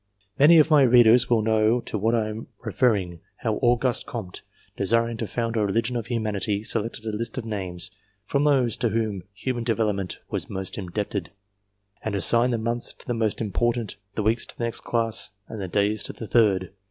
Many of my readers will know to what I am referring ; how Align ste Comte, desiring to found a "Religion of Humanity," selected a list of names, from those to whom human development was most indebted, and assigned the months to the most important, the weeks to the next class, and the days to the third.